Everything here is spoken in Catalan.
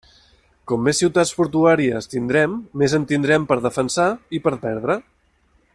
Com més ciutats portuàries tindrem, més en tindrem per defensar i per perdre.